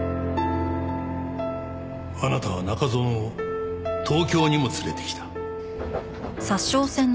あなたは中園を東京にも連れてきた。